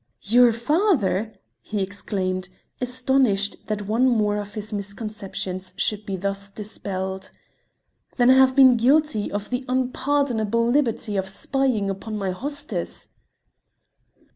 "Your father!" he exclaimed, astonished that one more of his misconceptions should be thus dispelled. "Then I have been guilty of the unpardonable liberty of spying upon my hostess."